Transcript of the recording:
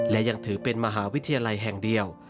และยังถือเป็นมหาวิทยาลัยแห่งเดียว